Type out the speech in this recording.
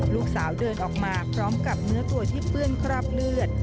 ลูกสาวเดินออกมาพร้อมกับเนื้อตัวที่เปื้อนคราบเลือด